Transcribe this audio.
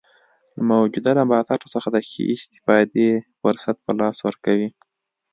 له موجوده نباتاتو څخه د ښې استفادې فرصت په لاس ورکوي.